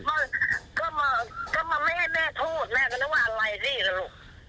ก็มาไม่ให้แม่โทษแม่ก็นึกว่าอะไรสินะลูก